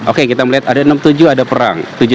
oke kita melihat ada enam puluh tujuh ada perang